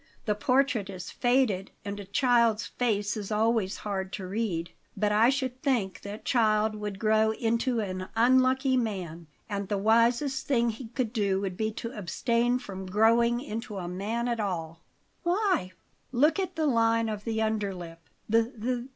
"The portrait is faded, and a child's face is always hard to read. But I should think that child would grow into an unlucky man, and the wisest thing he could do would be to abstain from growing into a man at all." "Why?" "Look at the line of the under lip.